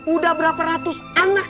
udah berapa ratus anak